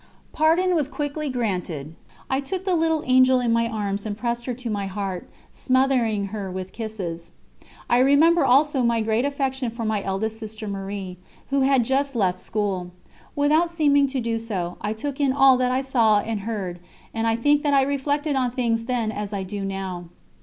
Pardon was quickly granted; I took the little angel in my arms and pressed her to my heart, smothering her with kisses." I remember also my great affection for my eldest sister Marie, who had just left school. Without seeming to do so, I took in all that I saw and heard, and I think that I reflected on things then as I do now.